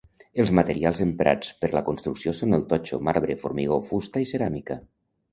Els materials emprats per la construcció són el totxo, marbre, formigó, fusta i ceràmica.